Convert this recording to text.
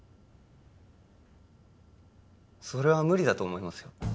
それは無理だと思いますよ